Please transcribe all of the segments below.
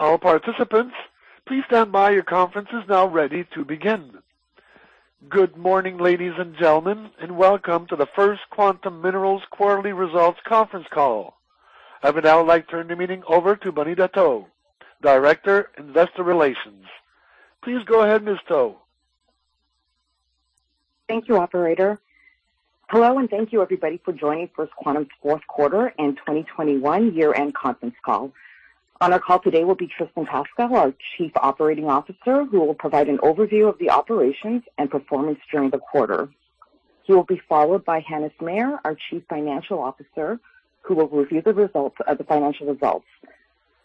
Good morning, ladies and gentlemen, and welcome to the First Quantum Minerals quarterly results conference call. I would now like to turn the meeting over to Bonita To, Director, Investor Relations. Please go ahead. Thank you, operator. Hello, and thank you everybody for joining First Quantum's Q4 and 2021 year-end conference call. On our call today will be Tristan Pascall, our Chief Operating Officer, who will provide an overview of the operations and performance during the quarter. He will be followed by Hannes Meyer, our Chief Financial Officer, who will review the results of the financial results.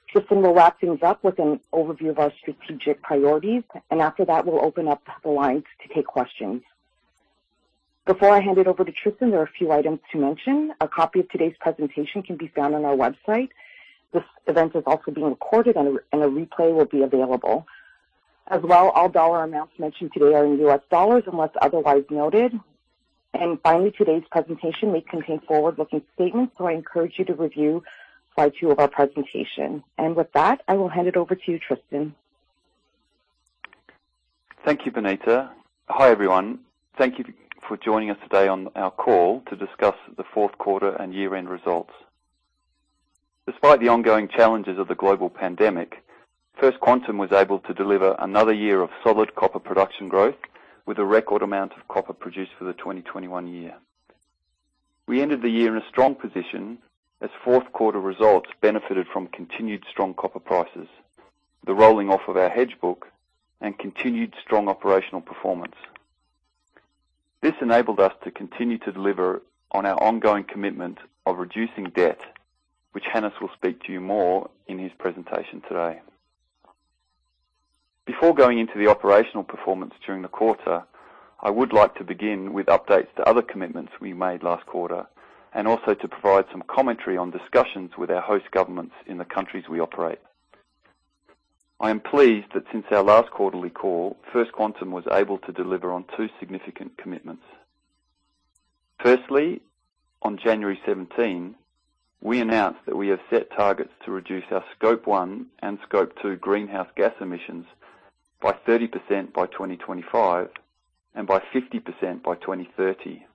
Tristan will wrap things up with an overview of our strategic priorities, and after that, we'll open up the lines to take questions. Before I hand it over to Tristan, there are a few items to mention. A copy of today's presentation can be found on our website. This event is also being recorded and a replay will be available. As well, all dollar amounts mentioned today are in US dollars unless otherwise noted. Finally, today's presentation may contain forward-looking statements, so I encourage you to review slide two of our presentation. With that, I will hand it over to you, Tristan. Thank you, Bonita. Hi, everyone. Thank you for joining us today on our call to discuss the Q4 and year-end results. Despite the ongoing challenges of the global pandemic, First Quantum was able to deliver another year of solid copper production growth with a record amount of copper produced for the 2021 year. We ended the year in a strong position as Q4 results benefited from continued strong copper prices, the rolling off of our hedge book, and continued strong operational performance. This enabled us to continue to deliver on our ongoing commitment of reducing debt, which Hannes will speak to you more in his presentation today. Before going into the operational performance during the quarter, I would like to begin with updates to other commitments we made last quarter, and also to provide some commentary on discussions with our host governments in the countries we operate. I am pleased that since our last quarterly call, First Quantum was able to deliver on two significant commitments. Firstly, on January 17, we announced that we have set targets to reduce our Scope 1 and Scope 2 greenhouse gas emissions by 30% by 2025, and by 50% by 2030.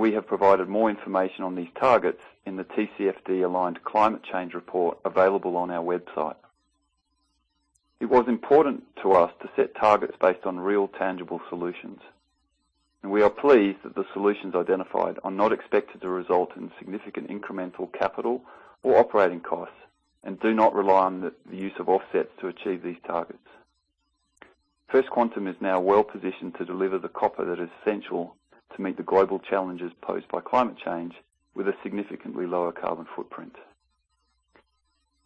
We have provided more information on these targets in the TCFD-aligned climate change report available on our website. It was important to us to set targets based on real, tangible solutions, and we are pleased that the solutions identified are not expected to result in significant incremental capital or operating costs and do not rely on the use of offsets to achieve these targets. First Quantum is now well-positioned to deliver the copper that is essential to meet the global challenges posed by climate change with a significantly lower carbon footprint.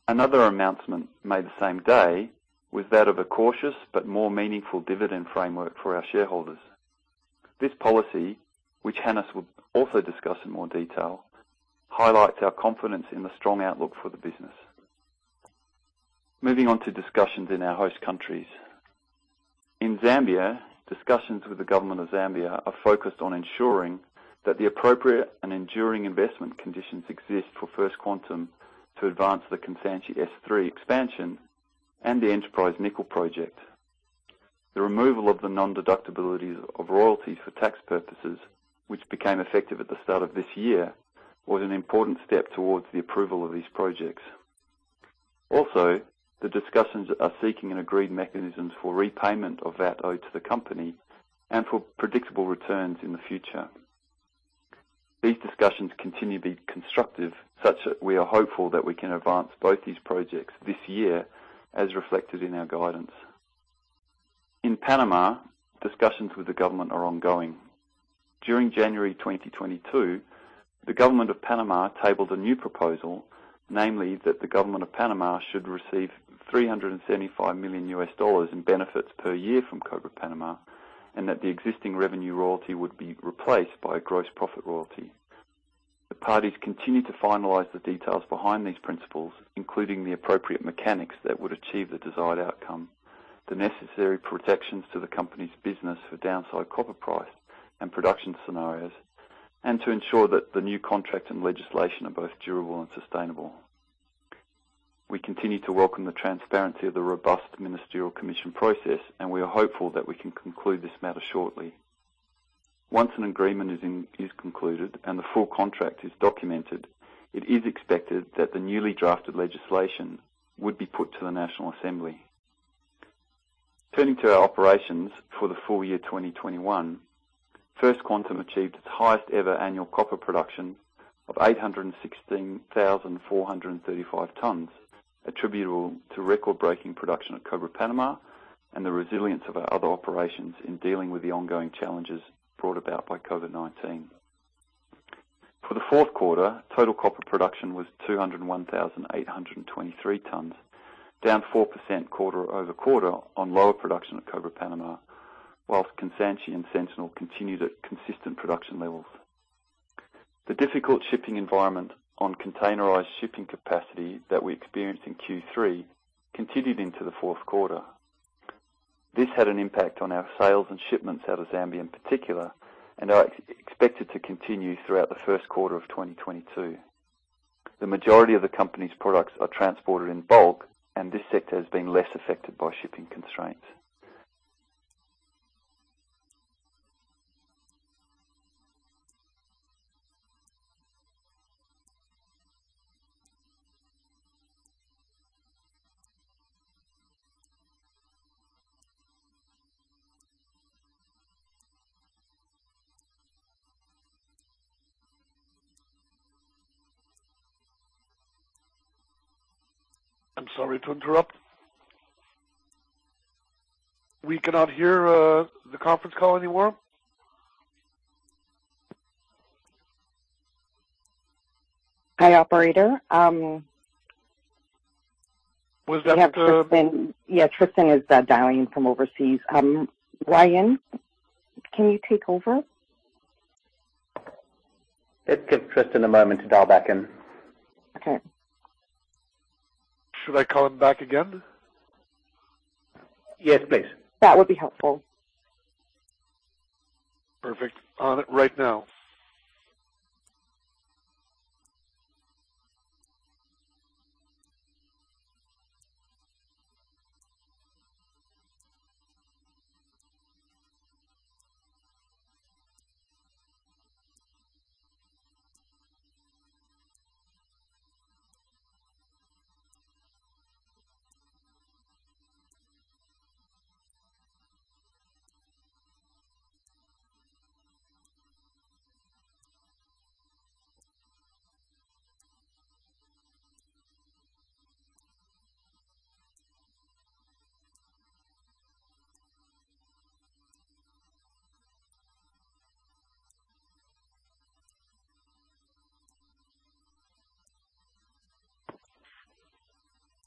Another announcement made the same day was that of a cautious but more meaningful dividend framework for our shareholders. This policy, which Hannes will also discuss in more detail, highlights our confidence in the strong outlook for the business. Moving on to discussions in our host countries. In Zambia, discussions with the government of Zambia are focused on ensuring that the appropriate and enduring investment conditions exist for First Quantum to advance the Kansanshi S3 Expansion and the Enterprise Nickel Project. The removal of the non-deductibility of royalties for tax purposes, which became effective at the start of this year, was an important step towards the approval of these projects. Also, the discussions are seeking an agreed mechanisms for repayment of VAT owed to the company and for predictable returns in the future. These discussions continue to be constructive, such that we are hopeful that we can advance both these projects this year, as reflected in our guidance. In Panama, discussions with the government are ongoing. During January 2022, the government of Panama tabled a new proposal, namely that the government of Panama should receive $375 million in benefits per year from Cobre Panamá, and that the existing revenue royalty would be replaced by a gross profit royalty. The parties continue to finalize the details behind these principles, including the appropriate mechanics that would achieve the desired outcome, the necessary protections to the company's business for downside copper price and production scenarios, and to ensure that the new contract and legislation are both durable and sustainable. We continue to welcome the transparency of the robust ministerial commission process, and we are hopeful that we can conclude this matter shortly. Once an agreement is concluded and the full contract is documented, it is expected that the newly drafted legislation would be put to the National Assembly. Turning to our operations for the full year 2021, First Quantum achieved its highest ever annual copper production of 816,435 tons, attributable to record-breaking production at Cobre Panamá and the resilience of our other operations in dealing with the ongoing challenges brought about by COVID-19. For the Q4, total copper production was 201,823 tons, down 4% quarter-over-quarter on lower production at Cobre Panamá, while Kansanshi and Sentinel continued at consistent production levels. The difficult shipping environment on containerized shipping capacity that we experienced in Q3 continued into the Q4. this had an impact on our sales and shipments out of Zambia in particular, and are expected to continue throughout the Q1 of 2022. The majority of the company's products are transported in bulk, and this sector has been less affected by shipping constraints. I'm sorry to interrupt. We cannot hear the conference call anymore. Hi, operator. Was that, Yeah, Tristan is dialing from overseas. Ryan, can you take over? Let's give Tristan a moment to dial back in. Okay. Should I call him back again? Yes, please. That would be helpful. Perfect. On it right now.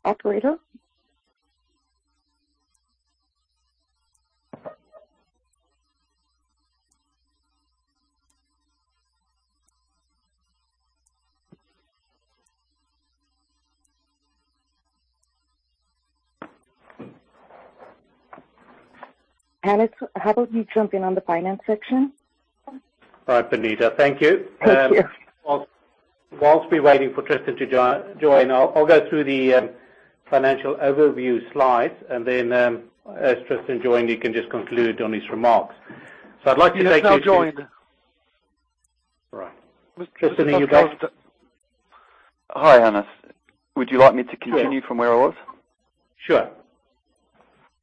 Operator? Hannes, how about you jump in on the finance section? All right, Bonita. Thank you. Thank you. While we're waiting for Tristan to join, I'll go through the financial overview slide and then, as Tristan joins, he can just conclude on his remarks. I'd like to take you to- He has now joined. All right. Tristan, are you there? Hi, Hannes. Would you like me to continue from where I was? Sure.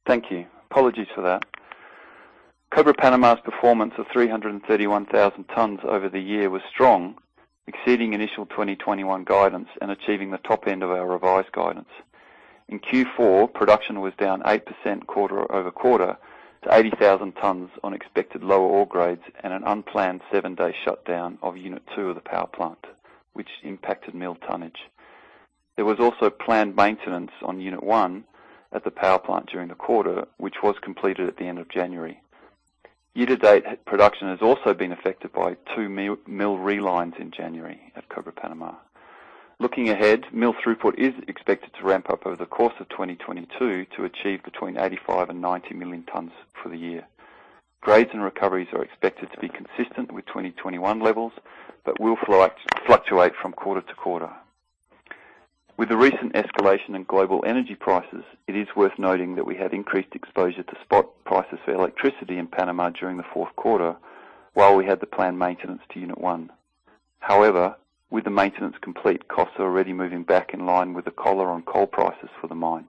Thank you. Apologies for that. Cobre Panamá's performance of 331,000 tons over the year was strong, exceeding initial 2021 guidance and achieving the top end of our revised guidance. In Q4, production was down 8% quarter-over-quarter to 80,000 tons on expected lower ore grades and an unplanned 7-day shutdown of unit two of the power plant, which impacted mill tonnage. There was also planned maintenance on unit one at the power plant during the quarter, which was completed at the end of January. Year to date, production has also been affected by two mill relines in January at Cobre Panamá. Looking ahead, mill throughput is expected to ramp up over the course of 2022 to achieve between 85-90 million tons for the year. Grades and recoveries are expected to be consistent with 2021 levels, but will fluctuate from quarter to quarter. With the recent escalation in global energy prices, it is worth noting that we have increased exposure to spot prices for electricity in Panama during the Q4 while we had the planned maintenance to Unit 1. However, with the maintenance complete, costs are already moving back in line with the collar on coal prices for the mine.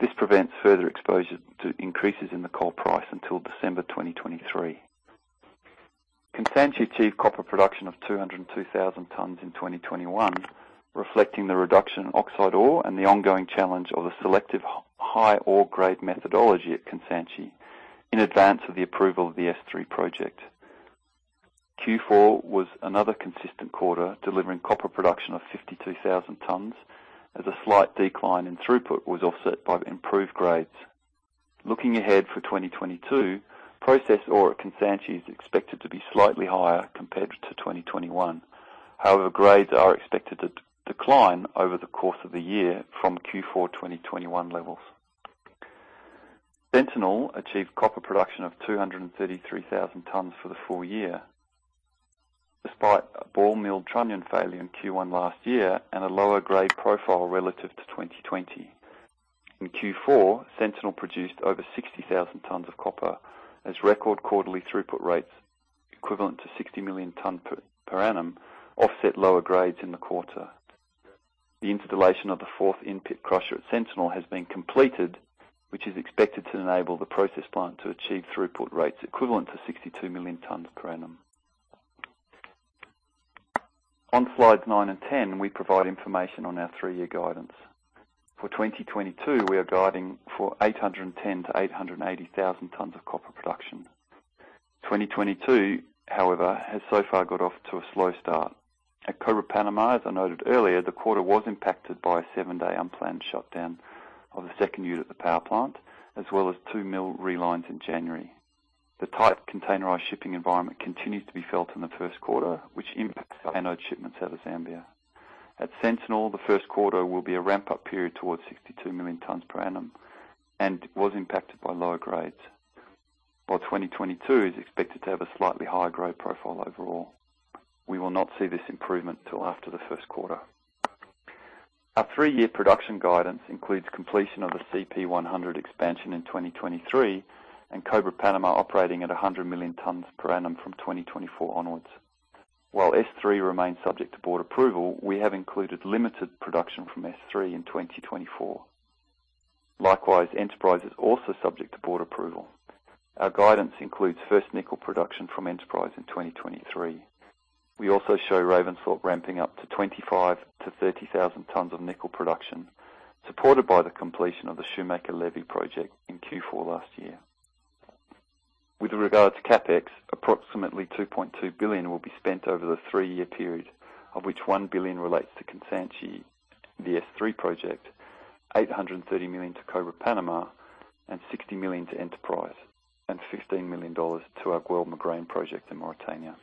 This prevents further exposure to increases in the coal price until December 2023. Kansanshi achieved copper production of 202,000 tons in 2021, reflecting the reduction in oxide ore and the ongoing challenge of the selective high ore grade methodology at Kansanshi in advance of the approval of the S3 project. Q4 was another consistent quarter, delivering copper production of 52,000 tons as a slight decline in throughput was offset by improved grades. Looking ahead for 2022, processed ore at Kansanshi is expected to be slightly higher compared to 2021. However, grades are expected to decline over the course of the year from Q4 2021 levels. Sentinel achieved copper production of 233,000 tons for the full year, despite a ball mill trunnion failure in Q1 last year and a lower grade profile relative to 2020. In Q4, Sentinel produced over 60,000 tons of copper as record quarterly throughput rates equivalent to 60 million tons per annum offset lower grades in the quarter. The installation of the fourth in-pit crusher at Sentinel has been completed, which is expected to enable the process plant to achieve throughput rates equivalent to 62 million tons per annum. On slides 9 and 10, we provide information on our 3-year guidance. For 2022, we are guiding for 810,000 to 880,000 tons of copper production. 2022, however, has so far got off to a slow start. At Cobre Panamá, as I noted earlier, the quarter was impacted by a 7-day unplanned shutdown of the second unit at the power plant, as well as 2 mill relines in January. The tight containerized shipping environment continues to be felt in the Q1, which impacts anode shipments out of Zambia. At Sentinel, the Q1 will be a ramp-up period towards 62 million tons per annum and was impacted by lower grades. While 2022 is expected to have a slightly higher growth profile overall, we will not see this improvement till after the Q1. Our 3-year production guidance includes completion of the CP100 expansion in 2023 and Cobre Panamá operating at 100 million tons per annum from 2024 onwards. While S3 remains subject to board approval, we have included limited production from S3 in 2024. Likewise, Enterprise is also subject to board approval. Our guidance includes first nickel production from Enterprise in 2023. We also show Ravensthorpe ramping up to 25,000-30,000 tons of nickel production, supported by the completion of the Shoemaker Levy project in Q4 last year. With regard to CapEx, approximately $2.2 billion will be spent over the three-year period, of which $1 billion relates to Kansanshi, the S3 project, $830 million to Cobre Panamá, and $60 million to Enterprise, and $15 million to our Guelb Moghrein project in Mauritania.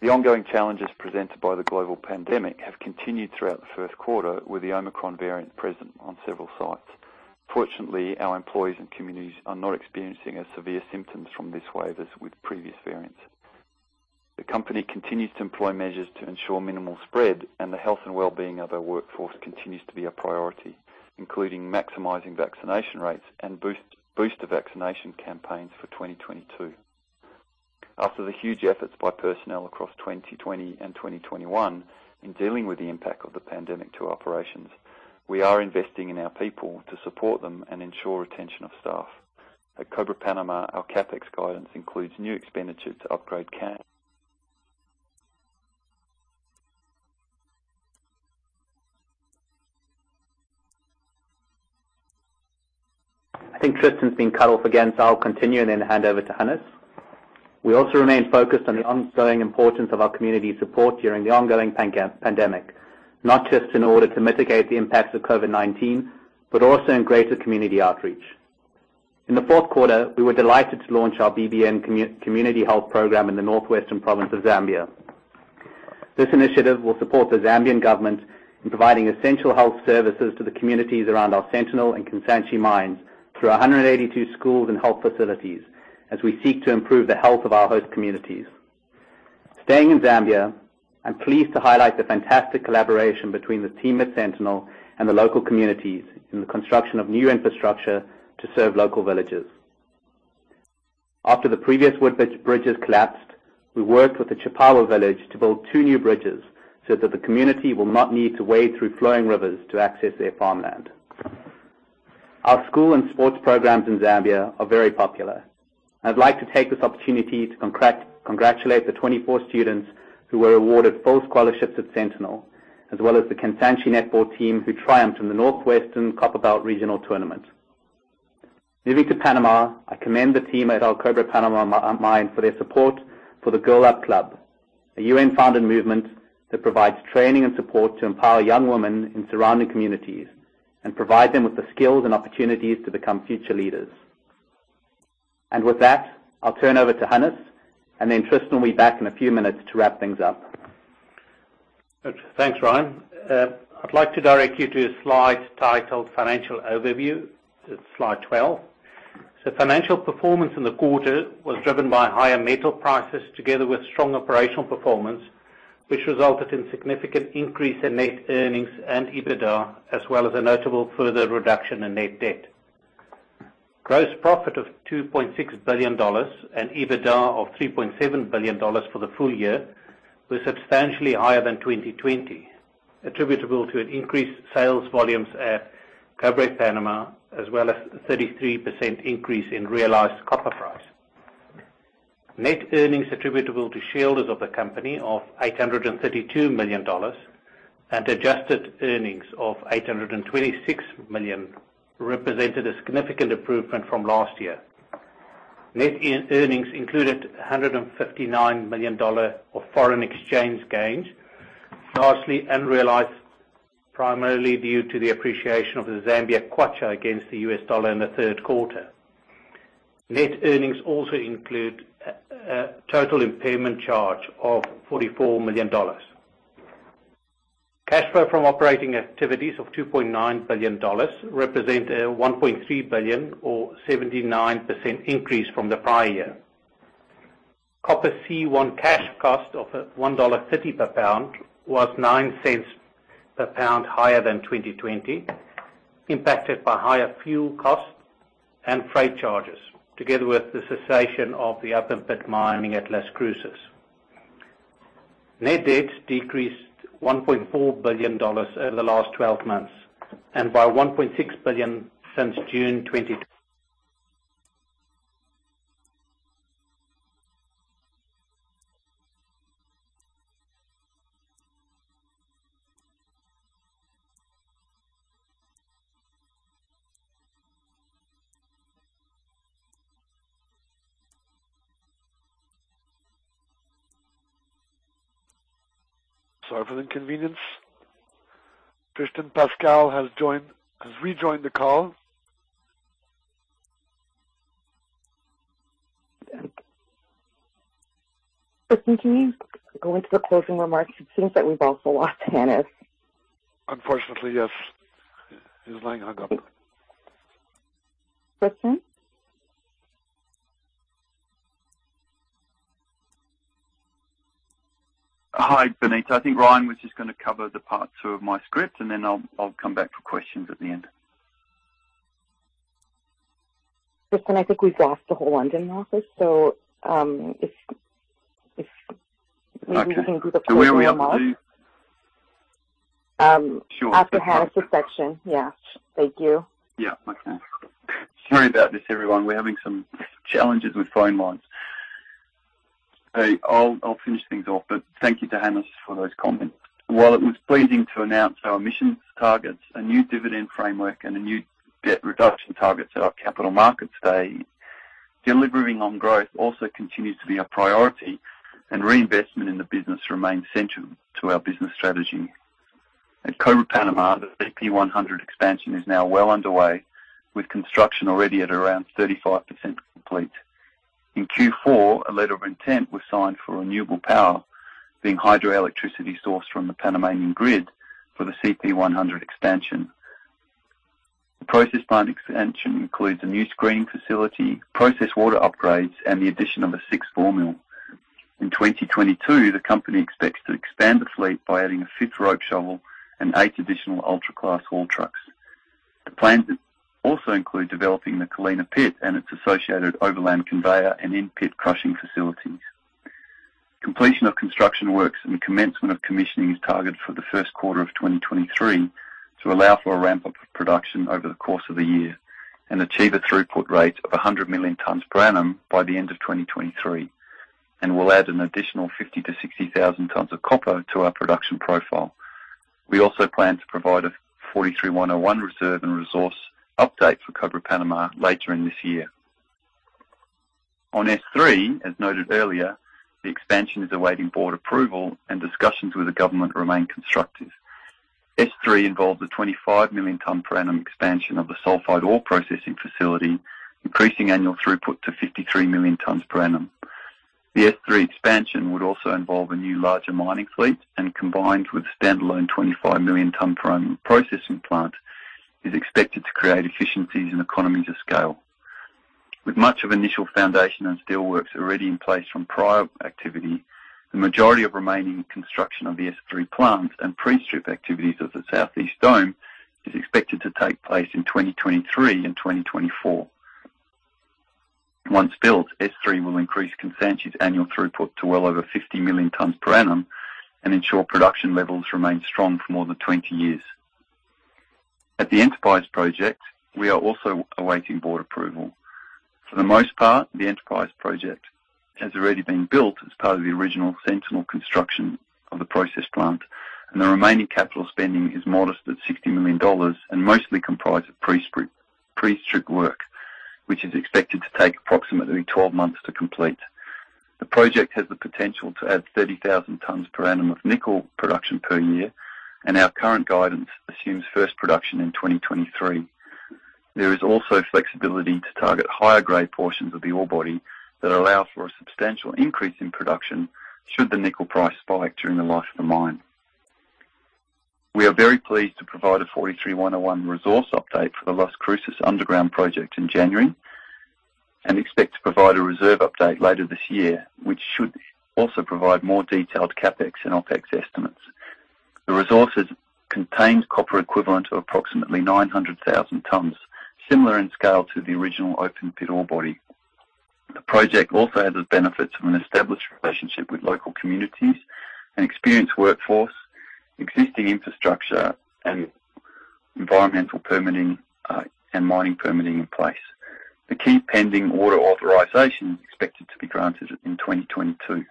The ongoing challenges presented by the global pandemic have continued throughout the Q1, with the Omicron variant present on several sites. Fortunately, our employees and communities are not experiencing as severe symptoms from this wave as with previous variants. The company continues to employ measures to ensure minimal spread, and the health and well-being of our workforce continues to be a priority, including maximizing vaccination rates and booster vaccination campaigns for 2022. After the huge efforts by personnel across 2020 and 2021 in dealing with the impact of the pandemic to our operations, we are investing in our people to support them and ensure retention of staff. At Cobre Panamá, our CapEx guidance includes new expenditure to upgrade camp. I think Tristan's been cut off again, so I'll continue and then hand over to Hannes. We also remain focused on the ongoing importance of our community support during the ongoing pandemic, not just in order to mitigate the impacts of COVID-19, but also in greater community outreach. In the Q4, we were delighted to launch our BBN community health program in the North-Western Province of Zambia. This initiative will support the Zambian government in providing essential health services to the communities around our Sentinel and Kansanshi mines through 182 schools and health facilities as we seek to improve the health of our host communities. Staying in Zambia, I'm pleased to highlight the fantastic collaboration between the team at Sentinel and the local communities in the construction of new infrastructure to serve local villages. After the previous wood bridges collapsed, we worked with the Chipapa village to build two new bridges so that the community will not need to wade through flowing rivers to access their farmland. Our school and sports programs in Zambia are very popular. I'd like to take this opportunity to congratulate the 24 students who were awarded full scholarships at Sentinel, as well as the Kansanshi netball team who triumphed in the North-Western Copper Belt regional tournament. Moving to Panama, I commend the team at Cobre Panamá mine for their support for the Girl Up club, a UN-founded movement that provides training and support to empower young women in surrounding communities and provide them with the skills and opportunities to become future leaders. With that, I'll turn over to Hannes, and then Tristan will be back in a few minutes to wrap things up. Thanks, Ryan. I'd like to direct you to a slide titled Financial Overview. It's slide 12. Financial performance in the quarter was driven by higher metal prices together with strong operational performance, which resulted in significant increase in net earnings and EBITDA, as well as a notable further reduction in net debt. Gross profit of $2.6 billion and EBITDA of $3.7 billion for the full year was substantially higher than 2020, attributable to an increased sales volumes at Cobre Panamá, as well as a 33% increase in realized copper price. Net earnings attributable to shareholders of the company of $832 million and adjusted earnings of $826 million represented a significant improvement from last year. Net earnings included $159 million of foreign exchange gains, largely unrealized, primarily due to the appreciation of the Zambia kwacha against the US dollar in the Q3. Net earnings also include a total impairment charge of $44 million. Cash flow from operating activities of $2.9 billion represent a $1.3 billion or 79% increase from the prior year. Copper C1 cash cost of $1.30 per pound was $0.09 per pound higher than 2020, impacted by higher fuel costs and freight charges, together with the cessation of the open pit mining at Las Cruces. Net debt decreased $1.4 billion over the last twelve months and by $1.6 billion since June twenty th- Sorry for the inconvenience. Tristan Pascall has rejoined the call. Tristan, can you go into the closing remarks? It seems that we've also lost Hannes. Unfortunately, yes. His line hung up. Tristan? Hi, Bonita. I think Ryan was just gonna cover the part two of my script, and then I'll come back for questions at the end. Tristan, I think we've lost the whole London office, so if Okay. Maybe you can do the closing remarks. Where are we up to? After Hannes' section. Sure. Yeah. Thank you. Yeah. Okay. Sorry about this, everyone. We're having some challenges with phone lines. I'll finish things off, but thank you to Hannes for those comments. While it was pleasing to announce our emissions targets, a new dividend framework, and a new debt reduction target at our Capital Markets Day, delivering on growth also continues to be a priority, and reinvestment in the business remains central to our business strategy. At Cobre Panamá, the CP100 expansion is now well underway, with construction already at around 35% complete. In Q4, a letter of intent was signed for renewable power, being hydroelectricity sourced from the Panamanian grid for the CP100 expansion. The process plant expansion includes a new screening facility, process water upgrades, and the addition of a sixth ball mill. In 2022, the company expects to expand the fleet by adding a 5th rope shovel and 8 additional ultra-class haul trucks. The plans also include developing the Colina pit and its associated overland conveyor and in-pit crushing facilities. Completion of construction works and commencement of commissioning is targeted for the Q1 of 2023, to allow for a ramp up of production over the course of the year and achieve a throughput rate of 100 million tons per annum by the end of 2023. We'll add an additional 50,000-60,000 tons of copper to our production profile. We also plan to provide a 43-101 reserve and resource update for Cobre Panamá later in this year. On S3, as noted earlier, the expansion is awaiting board approval and discussions with the government remain constructive. S3 involves a 25 million tons per annum expansion of the sulfide ore processing facility, increasing annual throughput to 53 million tons per annum. The S3 expansion would also involve a new larger mining fleet, and combined with standalone 25 million tons per annum processing plant, is expected to create efficiencies and economies of scale. With much of initial foundation and steel works already in place from prior activity, the majority of remaining construction of the S3 plant and pre-strip activities of the Southeast Dome is expected to take place in 2023 and 2024. Once built, S3 will increase Kansanshi's annual throughput to well over 50 million tons per annum and ensure production levels remain strong for more than 20 years. At the Enterprise project, we are also awaiting board approval. For the most part, the Enterprise project has already been built as part of the original Sentinel construction of the process plant, and the remaining capital spending is modest at $60 million and mostly comprised of pre-strip, pre-strip work, which is expected to take approximately 12 months to complete. The project has the potential to add 30,000 tons per annum of nickel production per year, and our current guidance assumes first production in 2023. There is also flexibility to target higher grade portions of the ore body that allow for a substantial increase in production should the nickel price spike during the life of the mine. We are very pleased to provide a 43-101 resource update for the Las Cruces underground project in January, and expect to provide a reserve update later this year, which should also provide more detailed CapEx and OpEx estimates. The resources contains copper equivalent to approximately 900,000 tons, similar in scale to the original open-pit ore body. The project also has the benefits of an established relationship with local communities, an experienced workforce, existing infrastructure, and environmental permitting, and mining permitting in place. The key pending order authorization is expected to be granted in 2022.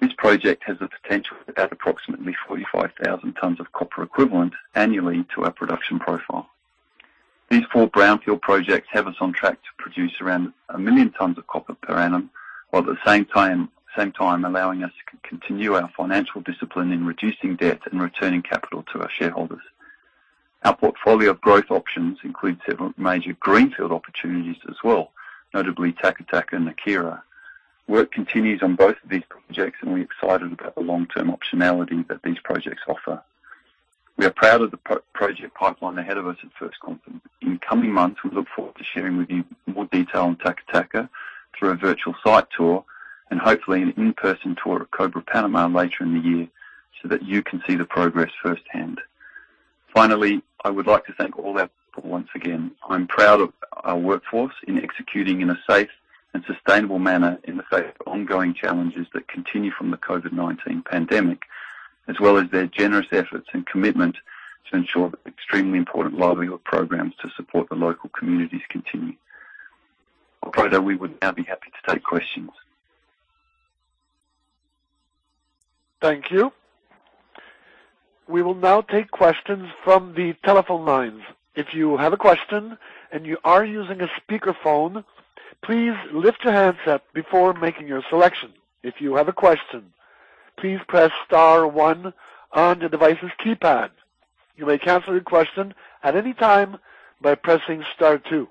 This project has the potential to add approximately 45,000 tons of copper equivalent annually to our production profile. These four brownfield projects have us on track to produce around 1,000,000 tons of copper per annum, while at the same time allowing us to continue our financial discipline in reducing debt and returning capital to our shareholders. Our portfolio of growth options includes several major greenfield opportunities as well, notably Taca Taca and Haquira. Work continues on both of these projects and we're excited about the long-term optionality that these projects offer. We are proud of the project pipeline ahead of us at First Quantum. In coming months, we look forward to sharing with you more detail on Taca Taca through a virtual site tour and hopefully an in-person tour at Cobre Panamá later in the year so that you can see the progress firsthand. Finally, I would like to thank all our people once again. I'm proud of our workforce in executing in a safe and sustainable manner in the face of ongoing challenges that continue from the COVID-19 pandemic, as well as their generous efforts and commitment to ensure that extremely important livelihood programs to support the local communities continue. Operator, we would now be happy to take questions. Thank you. We will now take questions from the telephone lines. If you have a question and you are using a speaker phone, please lift your handset before making your selection. Please press star one on the device's keypad. You may cancel your question at any time by pressing star two.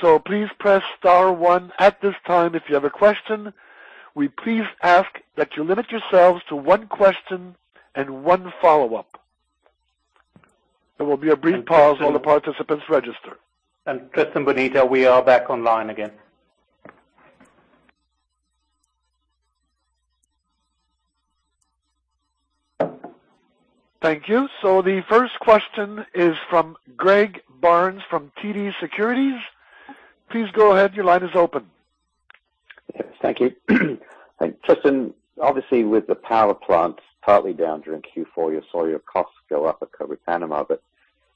So please press star one at this time if you have a question. We please ask that you limit yourselves to one question and one follow-up. There will be a brief pause while the participants register. Tristan, Bonita, we are back online again. Thank you. The first question is from Greg Barnes from TD Securities. Please go ahead. Your line is open. Yes, thank you. Tristan, obviously, with the power plants partly down during Q4, you saw your costs go up at Cobre Panamá.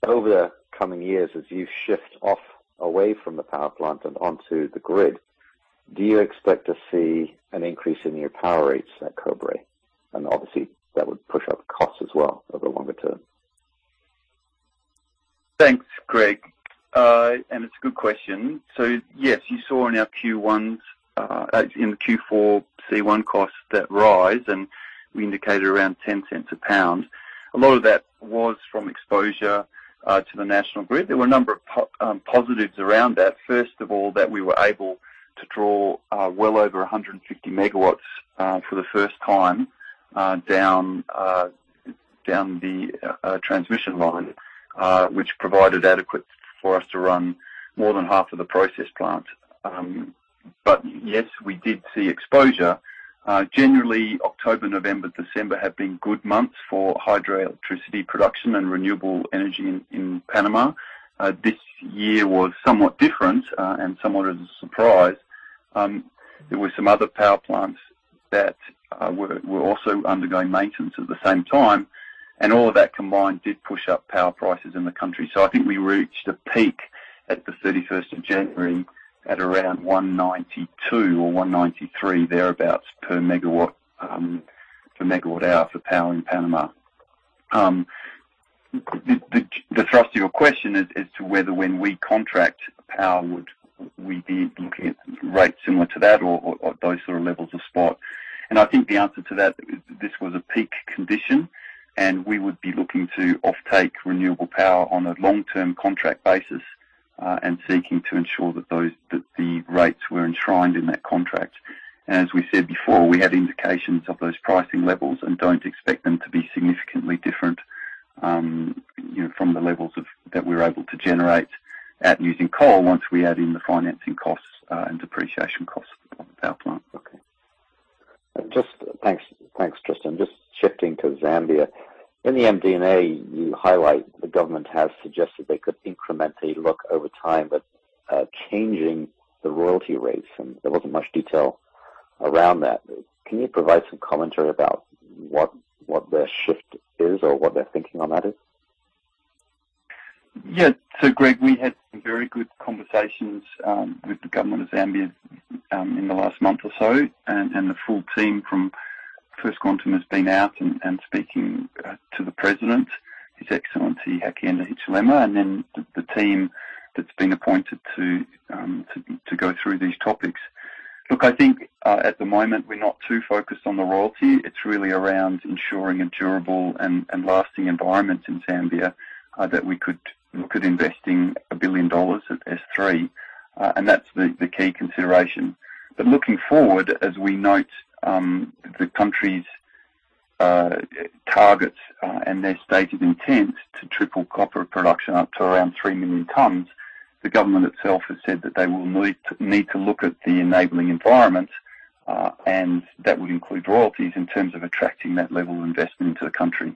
Over the coming years, as you shift off away from the power plant and onto the grid, do you expect to see an increase in your power rates at Cobre? Obviously, that would push up costs as well over the longer term. Thanks, Greg. It's a good question. Yes, you saw in our Q4 C1 costs that rose, and we indicated around $0.10 per pound. A lot of that was from exposure to the national grid. There were a number of positives around that. First of all, that we were able to draw well over 150 MW for the first time down the transmission line, which provided adequate for us to run more than half of the process plant. Yes, we did see exposure. Generally October, November, December have been good months for hydroelectricity production and renewable energy in Panama. This year was somewhat different and somewhat of a surprise. There were some other power plants that were also undergoing maintenance at the same time, and all of that combined did push up power prices in the country. I think we reached a peak at January 31 at around $192 or $193 thereabout per MWh for power in Panama. The thrust of your question is to whether when we contract power, would we be looking at rates similar to that or those sort of levels of spot. I think the answer to that, this was a peak condition, and we would be looking to offtake renewable power on a long-term contract basis, and seeking to ensure that those, that the rates were enshrined in that contract. As we said before, we have indications of those pricing levels and don't expect them to be significantly different, you know, from the levels that we're able to generate at using coal once we add in the financing costs, and depreciation costs of the power plant. Thanks, Tristan. Just shifting to Zambia. In the MD&A, you highlight the government has suggested they could incrementally look over time at changing the royalty rates, and there wasn't much detail around that. Can you provide some commentary about what their shift is or what their thinking on that is? Yeah. Greg, we had some very good conversations with the government of Zambia in the last month or so. The full team from First Quantum has been out and speaking to the president, His Excellency Hichilema, and then the team that's been appointed to go through these topics. Look, I think at the moment, we're not too focused on the royalty. It's really around ensuring a durable and lasting environment in Zambia that we could look at investing $1 billion at S3, and that's the key consideration. Looking forward, as we note, the country's targets and their stated intent to triple copper production up to around 3 million tons, the government itself has said that they will need to look at the enabling environment and that would include royalties in terms of attracting that level of investment into the country.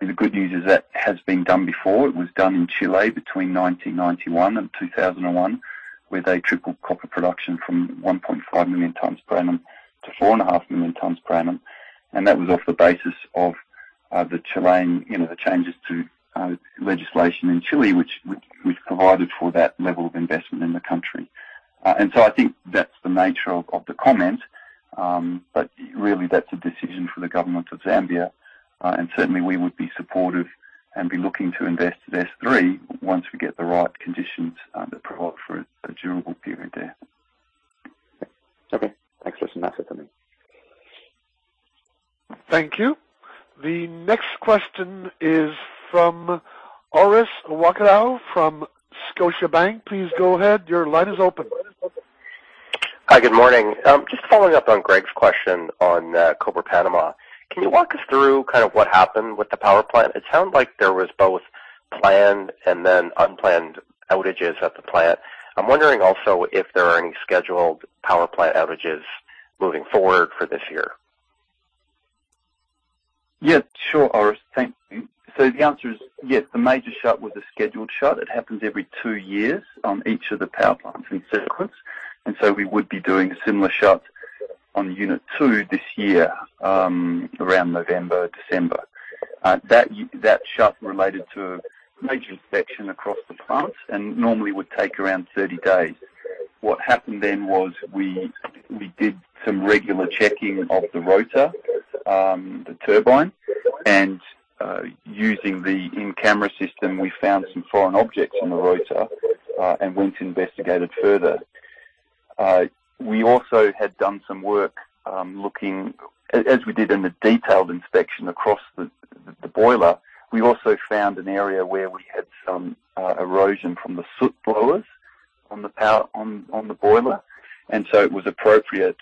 The good news is that has been done before. It was done in Chile between 1991 and 2001, where they tripled copper production from 1.5 million tons per annum to 4.5 million tons per annum. That was off the basis of the Chilean, you know, the changes to legislation in Chile, which provided for that level of investment in the country. I think that's the nature of the comment. Really that's a decision for the government of Zambia. Certainly we would be supportive and be looking to invest at S3 once we get the right conditions that provide for a durable period there. Okay. Thanks, Tristan. That's it for me. Thank you. The next question is from Orest Wowkodaw from Scotiabank. Please go ahead. Your line is open. Hi. Good morning. Just following up on Greg's question on Cobre Panamá. Can you walk us through kind of what happened with the power plant? It sounds like there was both planned and then unplanned outages at the plant. I'm wondering also if there are any scheduled power plant outages moving forward for this year. Yeah. Sure, Orest. Thank you. The answer is yes. The major shut was a scheduled shut. It happens every 2 years on each of the power plants in sequence. We would be doing a similar shut on unit 2 this year around November, December. That shut related to a major inspection across the plant and normally would take around 30 days. What happened then was we did some regular checking of the rotor, the turbine, and using the in-camera system, we found some foreign objects on the rotor and went to investigate it further. We also had done some work looking. As we did in the detailed inspection across the boiler, we also found an area where we had some erosion from the soot blowers on the boiler. It was appropriate,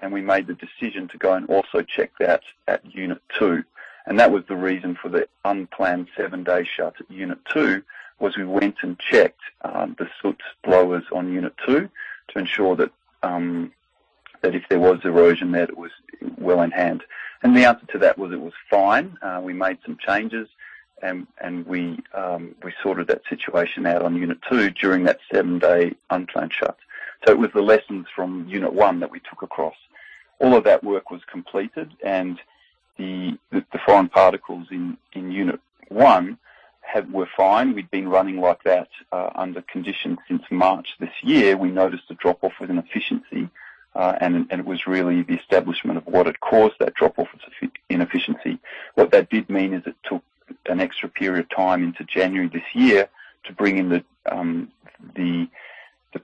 and we made the decision to go and also check that at unit two. That was the reason for the unplanned seven-day shut at unit two, was we went and checked the soot blowers on unit two to ensure that if there was erosion there, that it was well in hand. The answer to that was it was fine. We made some changes and we sorted that situation out on unit two during that seven-day unplanned shut. It was the lessons from unit one that we took across. All of that work was completed and the foreign particles in unit one were fine. We'd been running like that under conditions since March this year. We noticed a drop-off with an efficiency, and it was really the establishment of what had caused that drop-off inefficiency. What that did mean is it took an extra period of time into January this year to bring in the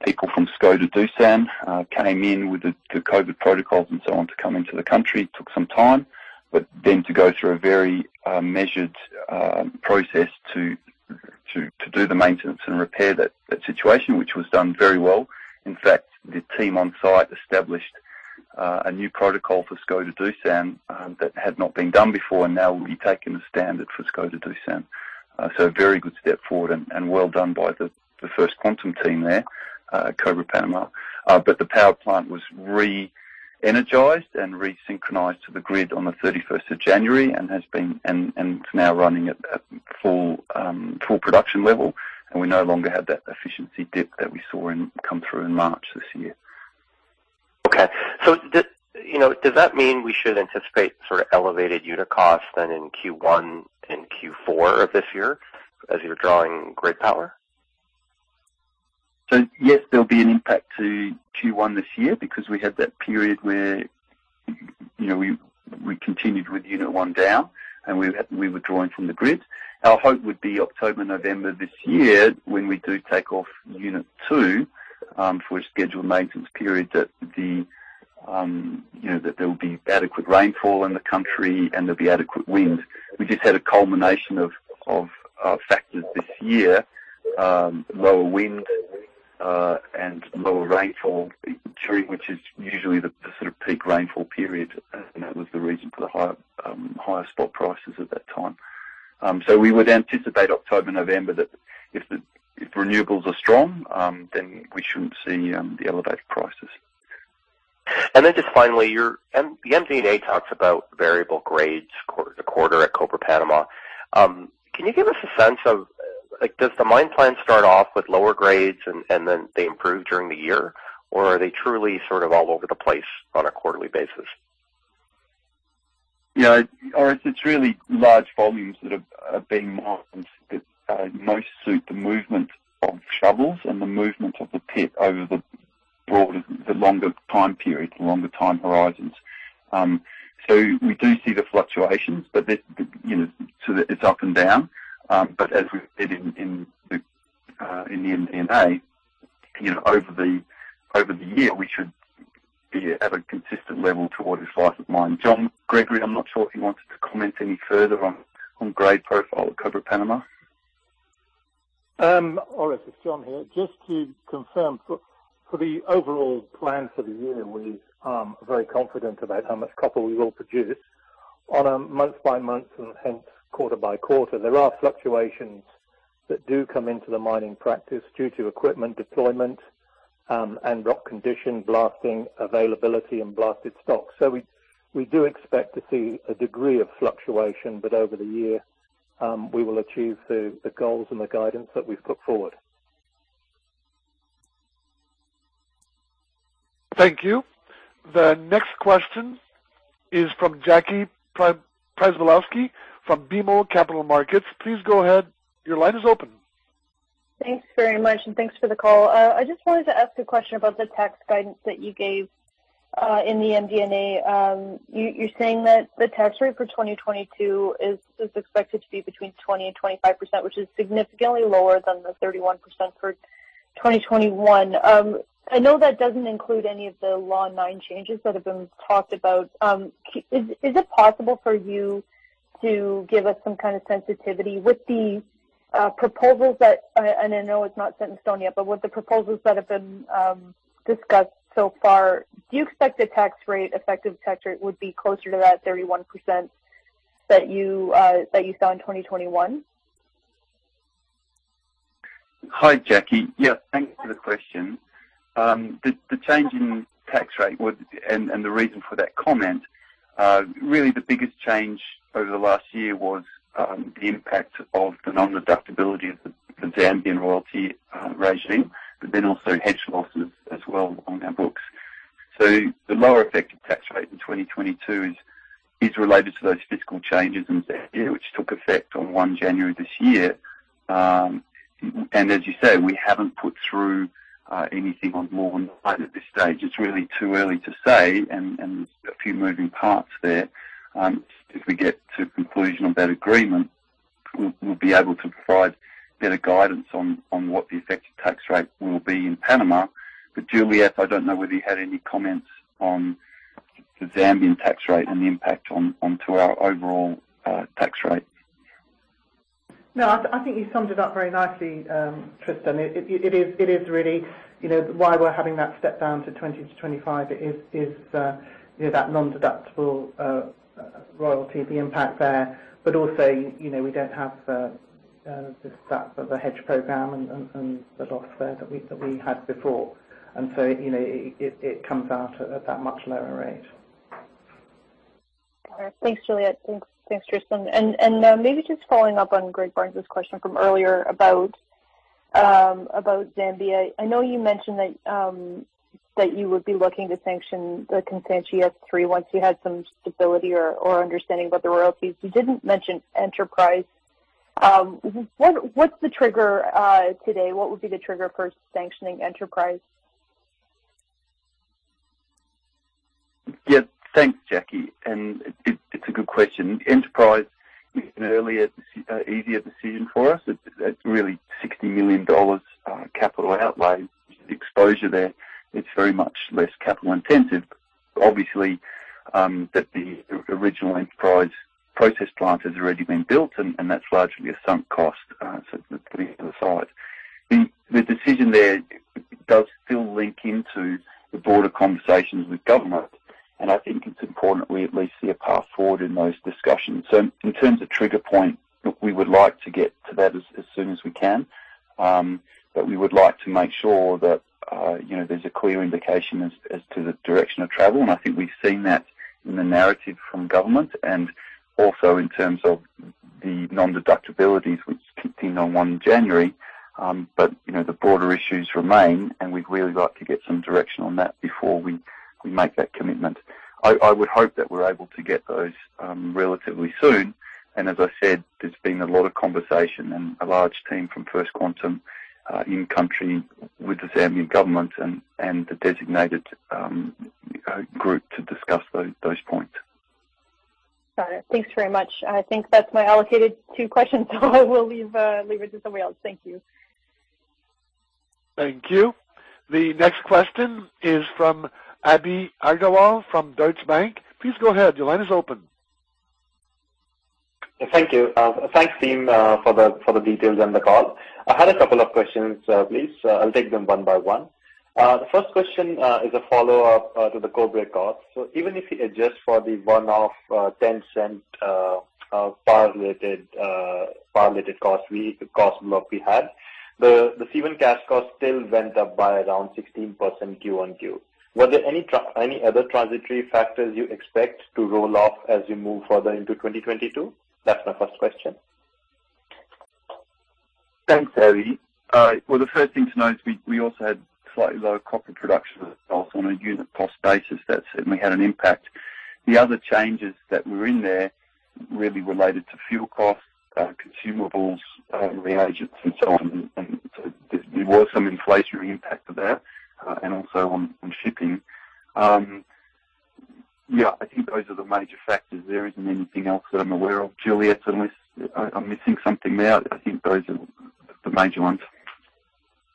people from Doosan Škoda with the COVID protocols and so on to come into the country. It took some time to go through a very measured process to do the maintenance and repair that situation, which was done very well. In fact, the team on site established a new protocol for Doosan Škoda that had not been done before and now will be taking the standard for Doosan Škoda. So a very good step forward and well done by the First Quantum team there, Cobre Panamá. The power plant was re-energized and resynchronized to the grid on the thirty-first of January, and it's now running at full production level, and we no longer have that efficiency dip that we saw come through in March this year. Okay. You know, does that mean we should anticipate sort of elevated unit costs than in Q1 and Q4 of this year as you're drawing grid power? Yes, there'll be an impact to Q1 this year because we had that period where, you know, we continued with unit one down and we were drawing from the grid. Our hope would be October, November this year when we do take off unit two for a scheduled maintenance period that there'll be adequate rainfall in the country and there'll be adequate wind. We just had a culmination of factors this year, lower wind and lower rainfall during which is usually the sort of peak rainfall period, and that was the reason for the higher spot prices at that time. We would anticipate October, November that if the renewables are strong, then we shouldn't see the elevated prices. Then just finally, your MD&A talks about variable grades quarter at Cobre Panamá. Can you give us a sense of, like, does the mine plan start off with lower grades and then they improve during the year? Or are they truly sort of all over the place on a quarterly basis? It's really large volumes that are being mined that most suit the movement of shovels and the movement of the pit over the broader, longer time periods, longer time horizons. We do see the fluctuations, but you know, so that it's up and down. As we've said in the MD&A, you know, over the year, we should be at a consistent level toward its life of mine. John Gregory, I'm not sure if you wanted to comment any further on grade profile at Cobre Panamá. Orest, it's John here. Just to confirm for the overall plan for the year, we are very confident about how much copper we will produce. On a month-by-month and hence quarter-by-quarter, there are fluctuations that do come into the mining practice due to equipment deployment and rock condition blasting availability and blasted stock. We do expect to see a degree of fluctuation. Over the year, we will achieve the goals and the guidance that we've put forward. Thank you. The next question is from Jackie Przybylowski from BMO Capital Markets. Please go ahead. Your line is open. Thanks very much, and thanks for the call. I just wanted to ask a question about the tax guidance that you gave in the MD&A. You are saying that the tax rate for 2022 is expected to be between 20%-25%, which is significantly lower than the 31% for 2021. I know that doesn't include any of the Law 9 changes that have been talked about. Is it possible for you to give us some kind of sensitivity with the proposals that have been discussed so far? I know it's not set in stone yet, but do you expect the tax rate, effective tax rate, would be closer to that 31% that you saw in 2021? Hi, Jackie. Yeah, thanks for the question. The change in tax rate was, and the reason for that comment, really the biggest change over the last year was the impact of the non-deductibility of the Zambian royalty regime, but then also hedge losses as well on our books. The lower effective tax rate in 2022 is related to those fiscal changes in Zambia, which took effect on 1 January this year. As you say, we haven't put through anything on Law 9 at this stage. It's really too early to say and a few moving parts there. If we get to conclusion on that agreement, we'll be able to provide better guidance on what the effective tax rate will be in Panama. Juliet, I don't know whether you had any comments on the Zambian tax rate and the impact on our overall tax rate. No, I think you summed it up very nicely, Tristan. It is really, you know, why we're having that step down to 20%-25% is, you know, that non-deductible royalty, the impact there. Also, you know, we don't have the cost of the hedge program and the loss there that we had before. You know, it comes out at that much lower rate. Thanks, Juliet. Thanks, Tristan. Maybe just following up on Greg Barnes's question from earlier about Zambia. I know you mentioned that you would be looking to sanction the Kansanshi S3 once you had some stability or understanding about the royalties. You didn't mention Enterprise. What's the trigger today? What would be the trigger for sanctioning Enterprise? Yeah. Thanks, Jackie, and it's a good question. Enterprise is an easier decision for us. It's really $60 million capital outlay exposure there. It's very much less capital intensive. Obviously, the original Enterprise process plant has already been built, and that's largely a sunk cost, so to the side. The decision there does still link into the broader conversations with government, and I think it's important we at least see a path forward in those discussions. In terms of trigger point, look, we would like to get to that as soon as we can. We would like to make sure that, you know, there's a clear indication as to the direction of travel. I think we've seen that in the narrative from government and also in terms of the non-deductibilities which kicked in on 1 January. You know, the broader issues remain, and we'd really like to get some direction on that before we make that commitment. I would hope that we're able to get those relatively soon. As I said, there's been a lot of conversation and a large team from First Quantum in country with the Zambian government and the designated group to discuss those points. Got it. Thanks very much. I think that's my allocated two questions, so I will leave it to somebody else. Thank you. Thank you. The next question is from Abhinandan Agarwal from Deutsche Bank. Please go ahead. Your line is open. Thank you. Thanks team for the details and the call. I had a couple of questions, please. I'll take them one by one. The first question is a follow-up to the Cobre cost. Even if you adjust for the one-off $0.10 power-related cost we had, the C1 cash cost still went up by around 16% Q-on-Q. Was there any other transitory factors you expect to roll off as you move further into 2022? That's my first question. Thanks, Abhi. Well, the first thing to note is we also had slightly lower copper production results on a unit cost basis. That certainly had an impact. The other changes that were in there really related to fuel costs, consumables, reagents and so on. There was some inflationary impact of that, and also on shipping. Yeah, I think those are the major factors. There isn't anything else that I'm aware of. Juliet, unless I'm missing something there. I think those are the major ones.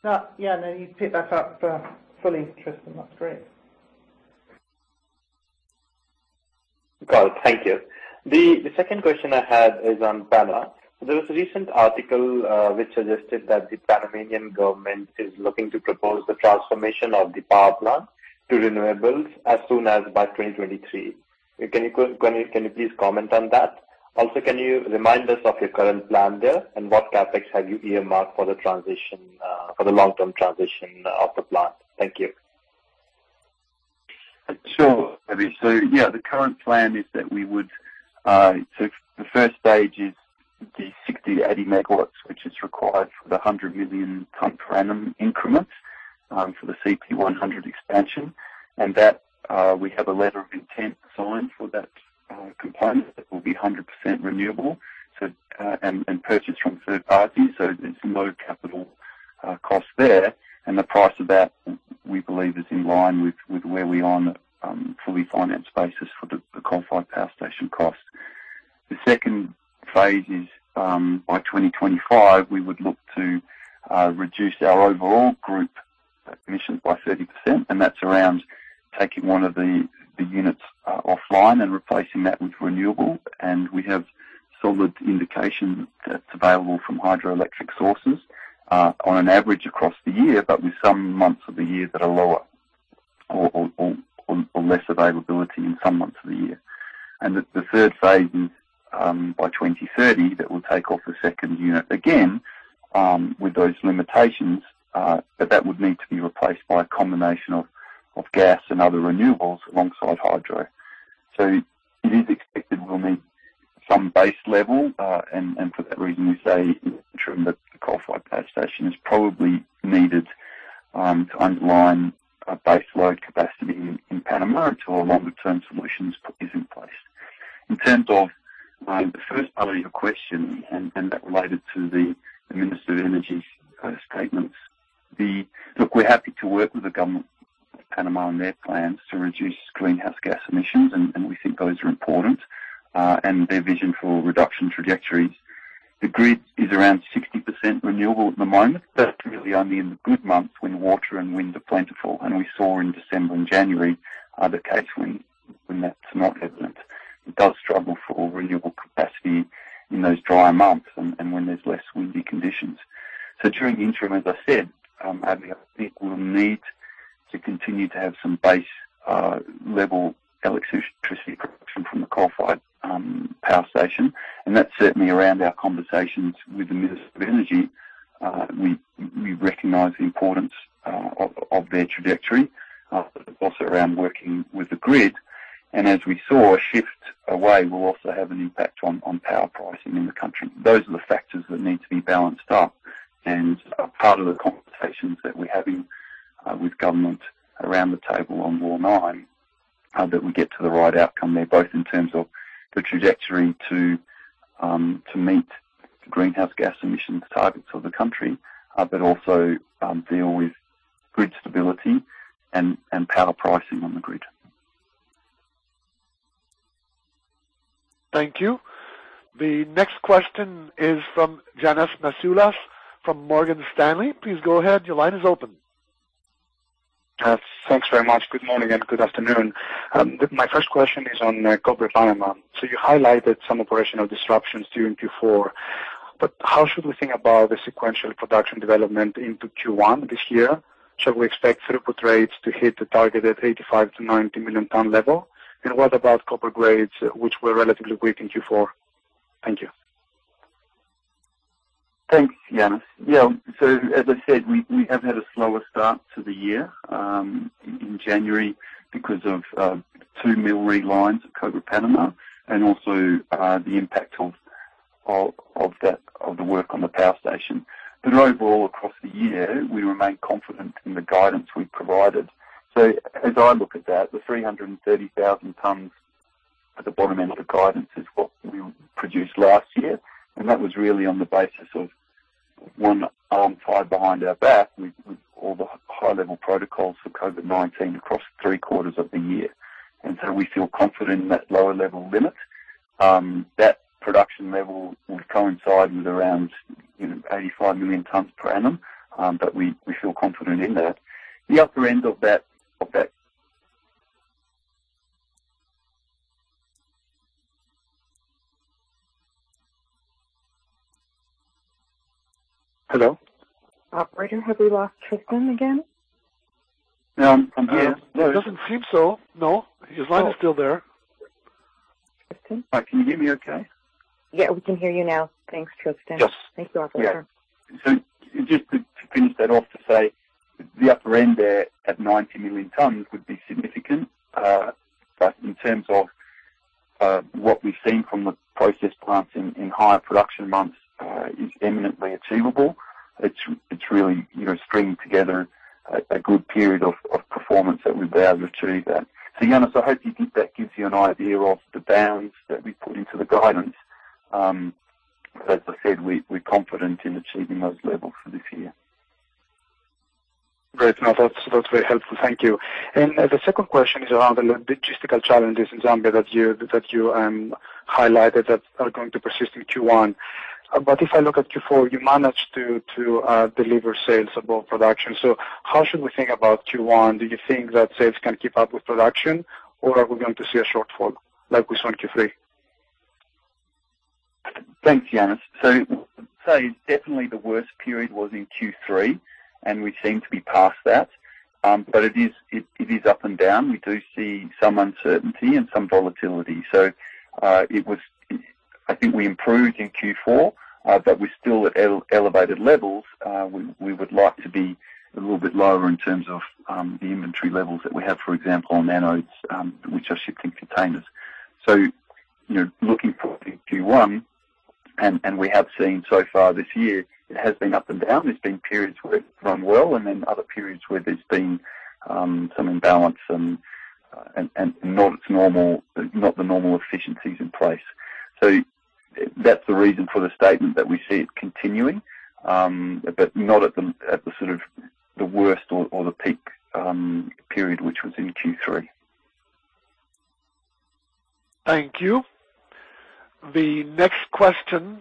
No. Yeah. No, you picked that up fully, Tristan. That's great. Got it. Thank you. The second question I had is on Panama. There was a recent article which suggested that the Panamanian government is looking to propose the transformation of the power plant to renewables as soon as by 2023. Can you please comment on that? Also, can you remind us of your current plan there, and what CapEx have you earmarked for the long-term transition of the plant? Thank you. Sure, Abhi. Yeah, the current plan is that we would. The first stage is the 60/80 MW, which is required for the 100 million tons per annum increments, for the CP100 expansion. We have a letter of intent signed for that component that will be 100% renewable, and purchased from third parties. It's low capital cost there. The price of that, we believe is in line with where we are on a fully financed basis for the qualified power station costs. The second phase is, by 2025, we would look to reduce our overall group emissions by 30%, and that's around taking one of the units offline and replacing that with renewables. We have solid indication that's available from hydroelectric sources, on an average across the year, but with some months of the year that are lower or less availability in some months of the year. The third phase is, by 2030, that will take off the second unit again, with those limitations. But that would need to be replaced by a combination of gas and other renewables alongside hydro. It is expected we'll need some base level. For that reason, we say ensuring that the qualified power station is probably needed to underline a base load capacity in Panama until a longer term solution is in place. In terms of the first part of your question and that related to the Minister of Energy statements. Look, we're happy to work with the government of Panama on their plans to reduce greenhouse gas emissions, and we think those are important, and their vision for reduction trajectories. The grid is around 60% renewable at the moment, but really only in the good months when water and wind are plentiful. We saw in December and January is the case when that's not evident. It does struggle for renewable capacity in those dry months and when there's less windy conditions. During the interim, as I said, I think we'll need to continue to have some base level electricity production from the coal-fired power station. That's certainly around our conversations with the minister of energy. We recognize the importance of their trajectory, but also around working with the grid. As we saw, a shift away will also have an impact on power pricing in the country. Those are the factors that need to be balanced up. A part of the conversations that we're having with government around the table on Law 9, that we get to the right outcome there, both in terms of the trajectory to meet greenhouse gas emissions targets of the country, but also deal with grid stability and power pricing on the grid. Thank you. The next question is from Ioannis Masvoulas from Morgan Stanley. Please go ahead. Your line is open. Thanks very much. Good morning and good afternoon. My first question is on Cobre Panamá. You highlighted some operational disruptions during Q4. How should we think about the sequential production development into Q1 this year? Should we expect throughput rates to hit the target at 85-90 million ton level? What about copper grades, which were relatively weak in Q4? Thank you. Thanks, Ioannis. Yeah. As I said, we have had a slower start to the year in January because of two mill relines at Cobre Panamá, and also the impact of that work on the power station. Overall, across the year, we remain confident in the guidance we provided. As I look at that, the 300,000 tons at the bottom end of the guidance is what we produced last year. That was really on the basis of one arm tied behind our back with all the high level protocols for COVID-19 across three-quarters of the year. We feel confident in that lower level limit. That production level would coincide with around 85 million tons per annum. But we feel confident in that. The upper end of that. Hello? Operator, have we lost Tristan again? Yeah. It doesn't seem so. No. His line is still there. Tristan? Hi. Can you hear me okay? Yeah, we can hear you now. Thanks, Tristan. Yes. Thank you, Operator. Just to finish that off, to say the upper end there at 90 million tons would be significant. In terms of what we've seen from the process plants in higher production months is eminently achievable. It's really, you know, stringing together a good period of performance that we'd be able to achieve that. Giannis, I hope you think that gives you an idea of the bounds that we put into the guidance. As I said, we're confident in achieving those levels for this year. Great. No. That's very helpful. Thank you. The second question is around the logistical challenges in Zambia that you highlighted that are going to persist in Q1. If I look at Q4, you managed to deliver sales above production. How should we think about Q1? Do you think that sales can keep up with production or are we going to see a shortfall like we saw in Q3? Thanks, Ioannis. I would say definitely the worst period was in Q3 and we seem to be past that. But it is up and down. We do see some uncertainty and some volatility. I think we improved in Q4, but we're still at elevated levels. We would like to be a little bit lower in terms of the inventory levels that we have, for example, on anodes, which are shipped in containers. You know, looking forward to Q1 and we have seen so far this year, it has been up and down. There's been periods where it's run well and then other periods where there's been some imbalance and not the normal efficiencies in place. That's the reason for the statement that we see it continuing, but not at the sort of the worst or the peak period, which was in Q3. Thank you. The next question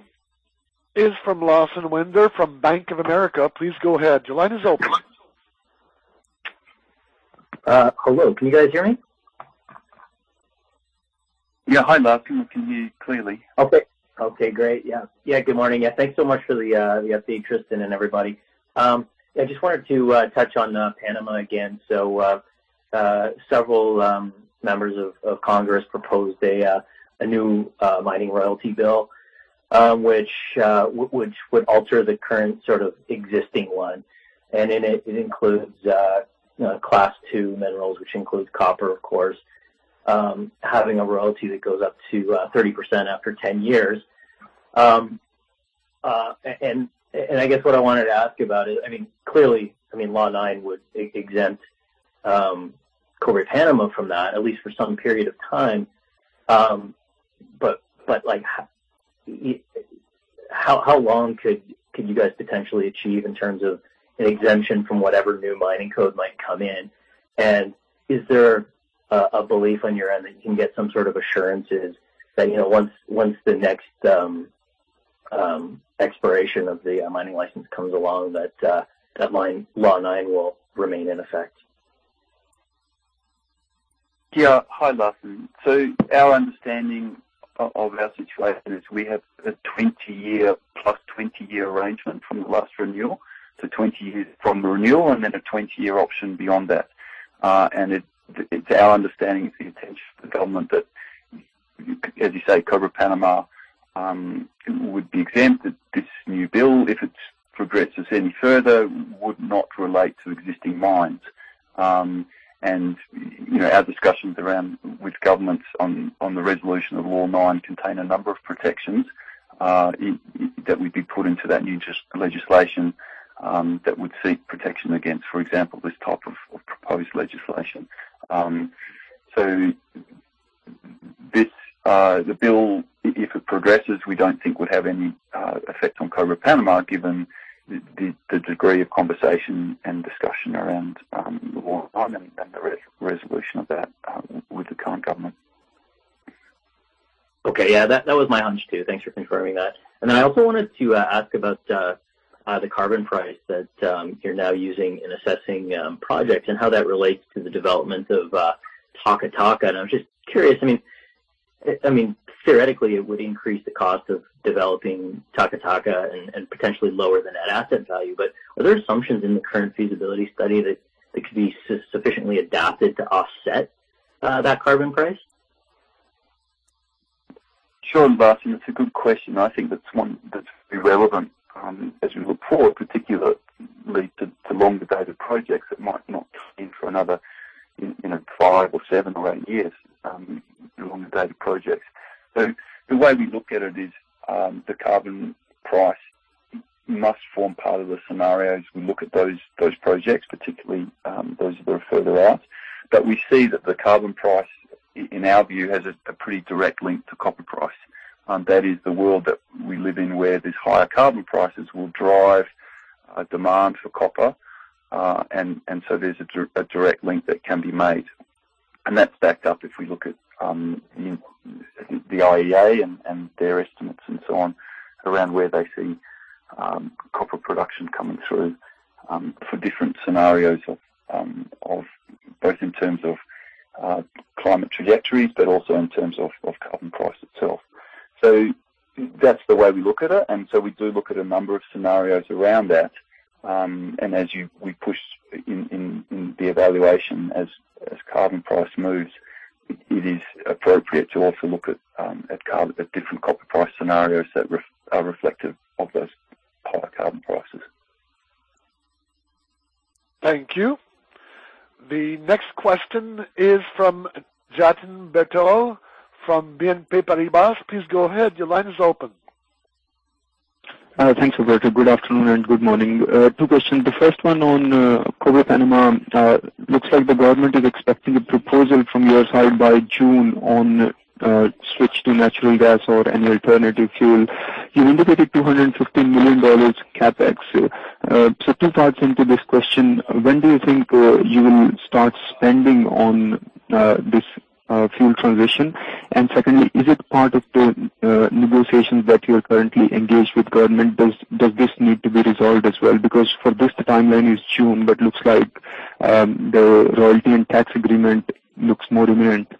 is from Lawson Winder from Bank of America. Please go ahead. Your line is open. Hello. Can you guys hear me? Yeah. Hi, Lawson. We can hear you clearly. Good morning. Thanks so much for the update, Tristan and everybody. I just wanted to touch on Panama again. Several members of Congress proposed a new mining royalty bill, which would alter the current sort of existing one. In it includes you know, class two minerals, which includes copper, of course, having a royalty that goes up to 30% after 10 years. I guess what I wanted to ask about it, I mean, clearly, I mean, Law 9 would exempt Cobre Panamá from that, at least for some period of time. Like, how long could you guys potentially achieve in terms of an exemption from whatever new mining code might come in? Is there a belief on your end that you can get some sort of assurances that once the next expiration of the mining Law 9 will remain in effect? Yeah. Hi, Lawson. Our understanding of our situation is we have a 20-year plus 20-year arrangement from the last renewal. Twenty years from the renewal and then a 20-year option beyond that. It's our understanding of the intention of the government that, as you say, Cobre Panamá, would be exempt if this new bill, if it progresses any further, would not relate to existing mines. You know, our discussions with governments on the resolution of Law 9 contain a number of protections that would be put into that new legislation that would seek protection against, for example, this type of proposed legislation. This bill, if it progresses, we don't think would have any effect on Cobre Panamá, given the degree of conversation and discussion around the Law 9 and the resolution of that with the current government. Okay. Yeah, that was my hunch, too. Thanks for confirming that. I also wanted to ask about the carbon price that you're now using in assessing projects and how that relates to the development of Taca Taca. I'm just curious, I mean, theoretically it would increase the cost of developing Taca Taca and potentially lower the net asset value. Are there assumptions in the current feasibility study that it could be sufficiently adapted to offset that carbon price? Sure. Lawson, that's a good question. I think that's one that's irrelevant as we look forward, particularly to longer dated projects that might not come in for another, you know, five or seven or eight years, longer dated projects. The way we look at it is the carbon price must form part of the scenario as we look at those projects particularly, those that are further out. We see that the carbon price in our view has a pretty direct link to copper price. That is the world that we live in, where these higher carbon prices will drive a demand for copper. There's a direct link that can be made. That's backed up if we look at, in the IEA and their estimates and so on, around where they see copper production coming through for different scenarios of both in terms of climate trajectories, but also in terms of carbon price itself. That's the way we look at it. We do look at a number of scenarios around that. We push in the evaluation as carbon price moves. It is appropriate to also look at different copper price scenarios that are reflective of those higher carbon prices. Thank you. The next question is from Jatinder Goel from BNP Paribas. Please go ahead. Your line is open. Thanks, Operator. Good afternoon and good morning. Two questions. The first one on Cobre Panamá. Looks like the government is expecting a proposal from your side by June on switch to natural gas or an alternative fuel. You indicated $215 million CapEx. So two parts into this question. When do you think you will start spending on this fuel transition? And secondly, is it part of the negotiations that you're currently engaged with government? Does this need to be resolved as well? Because for this, the timeline is June, but looks like the royalty and tax agreement looks more imminent.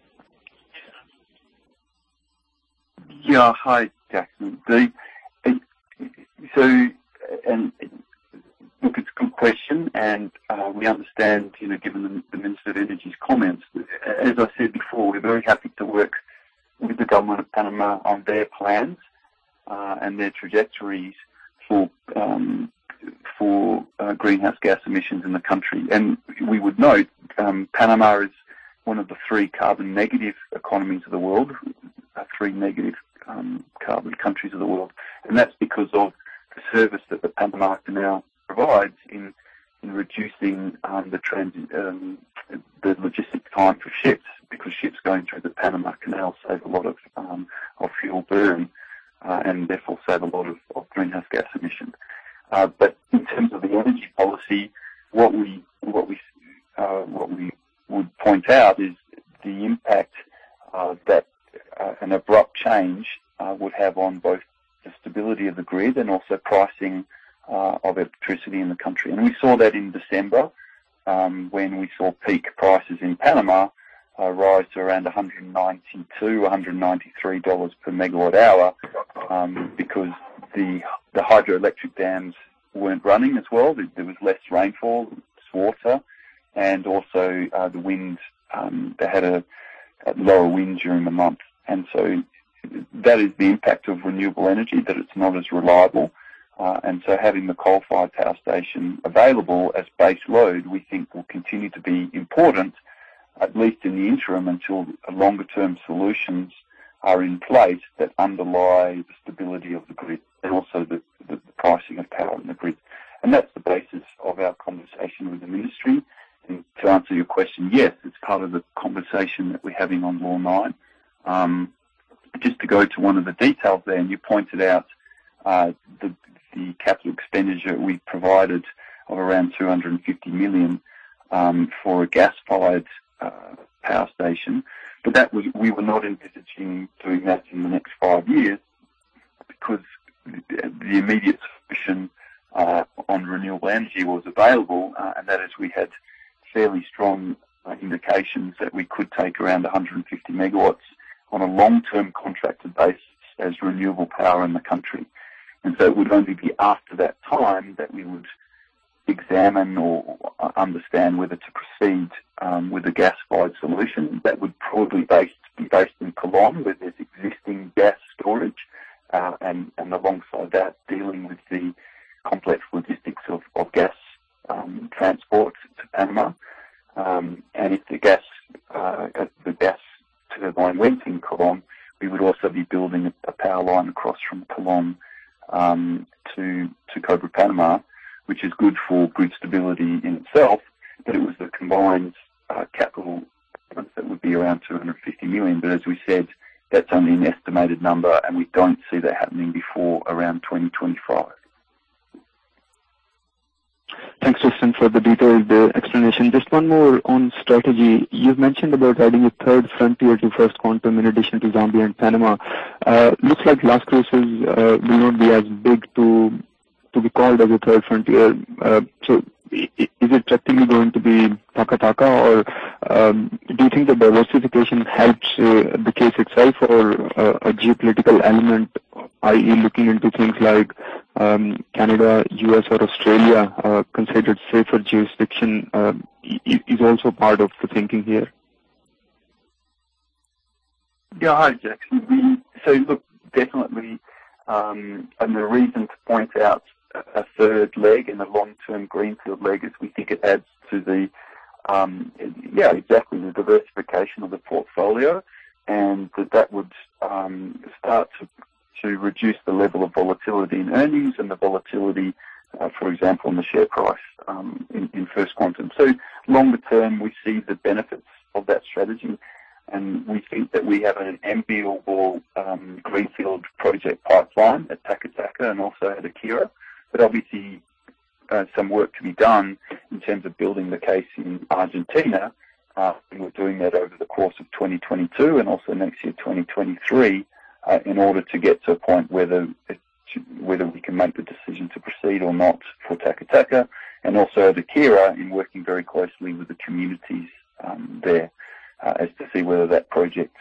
Yeah. Hi, Jatinder. It's a good question, and we understand, you know, given the Minister of Energy's comments. As I said before, we're very happy to work with the government of Panama on their plans and their trajectories for greenhouse gas emissions in the country. We would note, Panama is one of the three carbon negative economies of the world, three negative carbon countries of the world. That's because of the service that the Panama Canal provides in reducing the logistic time for ships, because ships going through the Panama Canal save a lot of fuel burn and therefore save a lot of greenhouse gas emissions. In terms of the energy policy, what we would point out is the impact that an abrupt change would have on both the stability of the grid and also pricing of electricity in the country. We saw that in December when we saw peak prices in Panama rise to around $192-$193 per MWh because the hydroelectric dams weren't running as well. There was less rainfall, less water, and also the winds they had a lower wind during the month. That is the impact of renewable energy, that it's not as reliable. Having the coal-fired power station available as base load, we think will continue to be important, at least in the interim, until longer term solutions are in place that underlie the stability of the grid and also the pricing of power in the grid. That's the basis of our conversation with the ministry. To answer your question, yes, it's part of the conversation that we're having on Law 9. Just to go to one of the details then, you pointed out the capital expenditure we provided of around $250 million for a gas-fired power station. But that was... We were not envisaging doing that in the next 5 years because the immediate sufficient on renewable energy was available, and that is we had fairly strong indications that we could take around 150 MW on a long-term contracted basis as renewable power in the country. It would only be after that time that we would examine or understand whether to proceed with a gas-fired solution that would be based in Colón, where there's existing gas storage, and alongside that, dealing with the complex logistics of gas transport to Panama. If the gas turbine went in Colón, we would also be building a power line across from Colón to Cobre Panamá, which is good for grid stability in itself. It was the combined capital that would be around $250 million. As we said, that's only an estimated number, and we don't see that happening before around 2025. Thanks, Tristan, for the detailed explanation. Just one more on strategy. You've mentioned about adding a third frontier to First Quantum in addition to Zambia and Panama. Looks like Las Cruces may not be as big to be called as a third frontier. Is it technically going to be Taca Taca or do you think the diversification helps the case itself or a geopolitical element, i.e., looking into things like Canada, U.S. or Australia are considered safer jurisdiction is also part of the thinking here? Yeah. Hi, Jatinder. Look, definitely, the reason to point out a third leg in the long term greenfield leg is we think it adds to the diversification of the portfolio and that would start to reduce the level of volatility in earnings and the volatility, for example, in the share price, in First Quantum. Longer term, we see the benefits of that strategy, and we think that we have an enviable greenfield project pipeline at Taca Taca and also at Haquira. Obviously, some work to be done in terms of building the case in Argentina. We were doing that over the course of 2022 and also next year, 2023, in order to get to a point whether we can make the decision to proceed or not for Taca Taca and also Haquira, working very closely with the communities there to see whether that project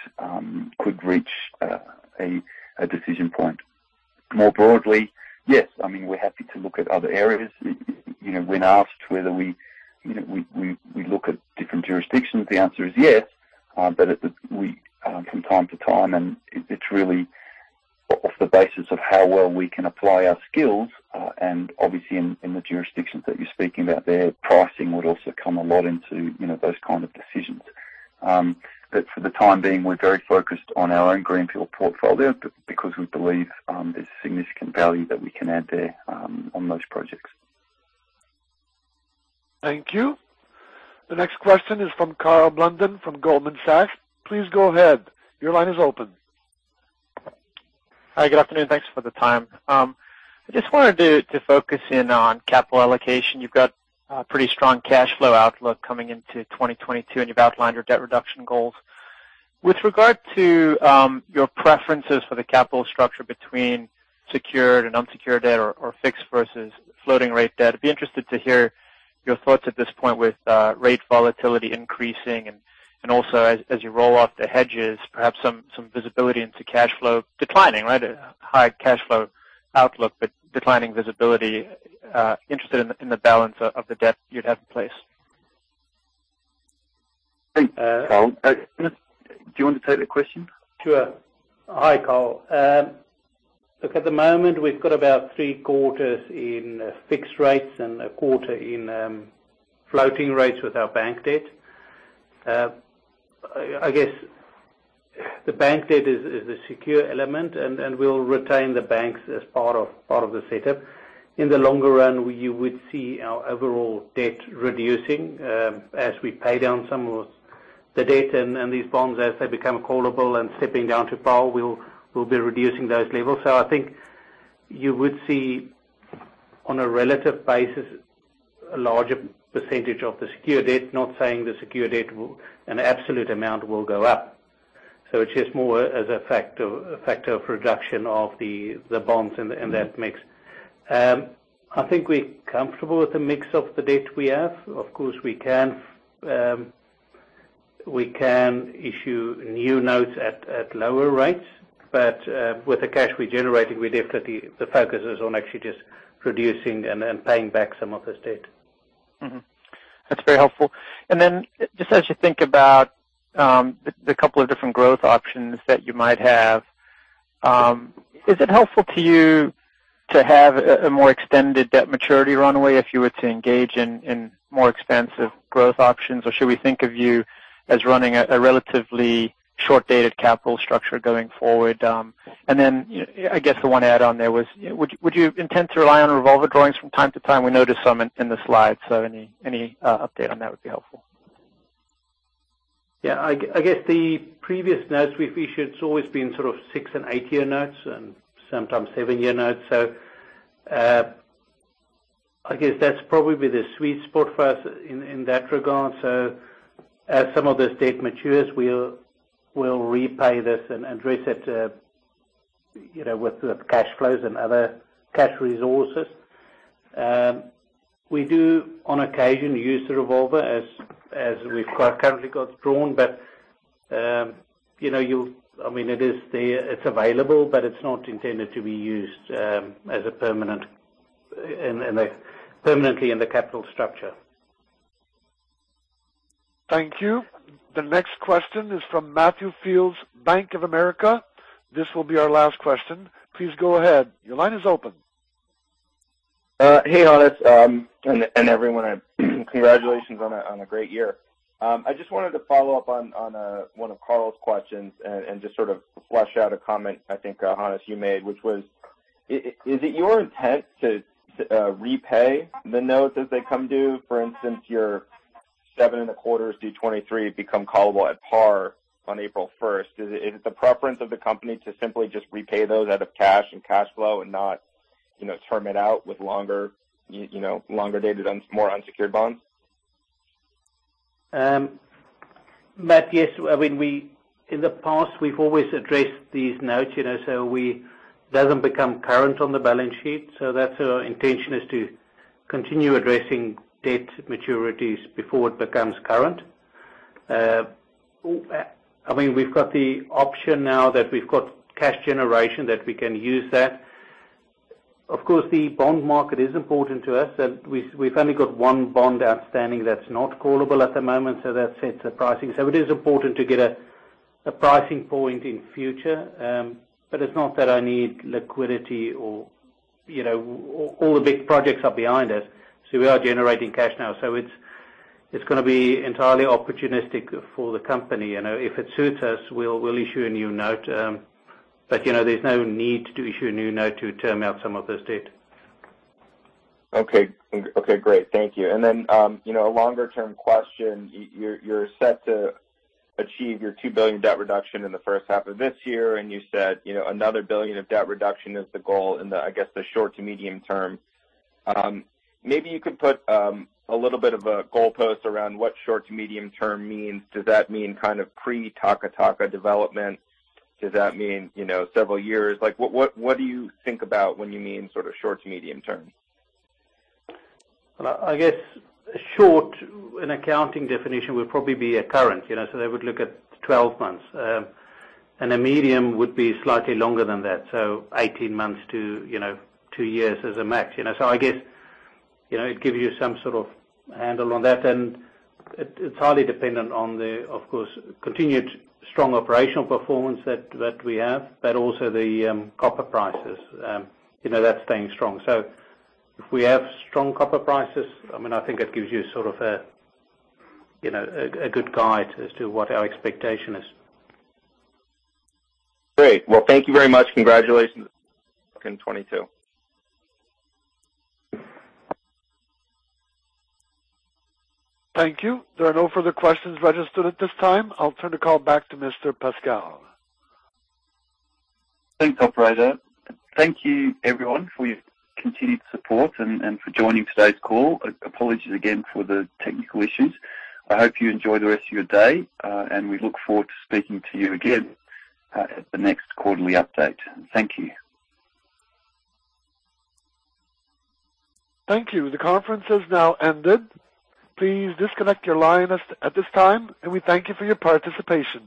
could reach a decision point. More broadly, yes. I mean, we're happy to look at other areas. You know, when asked whether we you know look at different jurisdictions, the answer is yes. We from time to time, and it's really on the basis of how well we can apply our skills. Obviously in the jurisdictions that you're speaking about there, pricing would also come a lot into you know those kind of decisions. For the time being, we're very focused on our own greenfield portfolio because we believe there's significant value that we can add there, on those projects. Thank you. The next question is from Karl Blunden from Goldman Sachs. Please go ahead. Your line is open. Hi, good afternoon. Thanks for the time. I just wanted to focus in on capital allocation. You've got a pretty strong cash flow outlook coming into 2022, and you've outlined your debt reduction goals. With regard to your preferences for the capital structure between secured and unsecured debt or fixed versus floating rate debt, I'd be interested to hear your thoughts at this point with rate volatility increasing and also as you roll off the hedges, perhaps some visibility into cash flow declining, right? A high cash flow outlook, but declining visibility, interested in the balance of the debt you'd have in place. Thanks, Hannes. Do you want to take the question? Sure. Hi, Karl. Look, at the moment, we've got about three-quarters in fixed rates and a quarter in floating rates with our bank debt. I guess the bank debt is a secure element, and we'll retain the banks as part of the setup. In the longer run, you would see our overall debt reducing as we pay down some of the debt and these bonds as they become callable and stepping down to par. We'll be reducing those levels. I think you would see on a relative basis a larger percentage of the secured debt. Not saying the secured debt, an absolute amount, will go up. It's just more as a factor of reduction of the bonds and that mix. I think we're comfortable with the mix of the debt we have. Of course, we can issue new notes at lower rates. With the cash we generated, the focus is on actually just reducing and paying back some of this debt. Mm-hmm. That's very helpful. Then just as you think about the couple of different growth options that you might have, is it helpful to you to have a more extended debt maturity runway if you were to engage in more expensive growth options? Or should we think of you as running a relatively short dated capital structure going forward. I guess the one add on there was, would you intend to rely on revolver drawings from time to time? We noticed some in the slides, so any update on that would be helpful. Yeah. I guess the previous notes we've issued. It's always been sort of 6- and 8-year notes and sometimes 7-year notes. I guess that's probably the sweet spot for us in that regard. As some of this debt matures, we'll repay this and address it you know with the cash flows and other cash resources. We do on occasion use the revolver as we've currently got drawn. You know, I mean, it is there. It's available, but it's not intended to be used as a permanent in a permanently in the capital structure. Thank you. The next question is from Matthew Fields, Bank of America. This will be our last question. Please go ahead. Your line is open. Hey, Hannes, and everyone. Congratulations on a great year. I just wanted to follow up on one of Karl's questions and just sort of flesh out a comment I think, Hannes, you made, which was, is it your intent to repay the notes as they come due? For instance, your 7.25s due 2023 become callable at par on April 1. Is it the preference of the company to simply just repay those out of cash and cash flow and not, you know, term it out with longer, you know, longer dated and more unsecured bonds? Matthew, yes. I mean, in the past, we've always addressed these notes, you know, so it doesn't become current on the balance sheet. That's our intention is to continue addressing debt maturities before it becomes current. I mean, we've got the option now that we've got cash generation that we can use that. Of course, the bond market is important to us. We've only got one bond outstanding that's not callable at the moment. That sets the pricing. It is important to get a pricing point in future, but it's not that I need liquidity or, you know, all the big projects are behind us. We are generating cash now. It's gonna be entirely opportunistic for the company, you know. If it suits us, we'll issue a new note, but you know, there's no need to issue a new note to term out some of this debt. Okay, great. Thank you. You know, a longer-term question. You're set to achieve your $2 billion debt reduction in the H1 of this year, and you said, you know, another $1 billion of debt reduction is the goal in the, I guess, short to medium term. Maybe you could put a little bit of a goalpost around what short to medium term means. Does that mean kind of pre-Taca Taca development? Does that mean several years? Like, what do you think about when you mean sort of short to medium term? Well, I guess short, an accounting definition would probably be a current, you know, so they would look at 12 months. A medium would be slightly longer than that, so 18 months to, you know, 2 years as a max. You know, so I guess, you know, it gives you some sort of handle on that. It’s highly dependent on the, of course, continued strong operational performance that we have, but also the, copper prices, you know, that’s staying strong. If we have strong copper prices, I mean, I think it gives you sort of a, you know, a good guide as to what our expectation is. Great. Well, thank you very much. Congratulations on 2022. Thank you. There are no further questions registered at this time. I'll turn the call back to Mr. Pascall. Thanks, operator. Thank you everyone for your continued support and for joining today's call. Apologies again for the technical issues. I hope you enjoy the rest of your day, and we look forward to speaking to you again, at the next quarterly update. Thank you. Thank you. The conference has now ended. Please disconnect your line at this time, and we thank you for your participation.